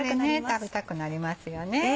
食べたくなりますよね。